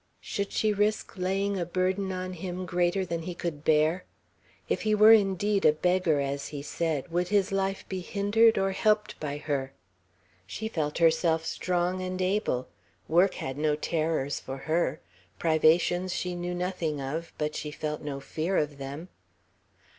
Should she risk laying a burden on him greater than he could bear? If he were indeed a beggar, as he said, would his life be hindered or helped by her? She felt herself strong and able. Work had no terrors for her; privations she knew nothing of, but she felt no fear of them.